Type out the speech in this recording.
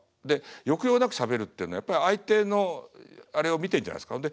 抑揚なくしゃべるっていうのはやっぱり相手のあれを見てんじゃないっすか。